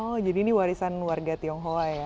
oh jadi ini warisan warga tionghoa ya